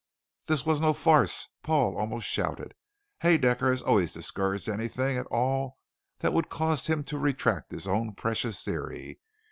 "This was no farce," Paul almost shouted. "Haedaecker has always discouraged anything at all that would cause him to retract his own precious theory.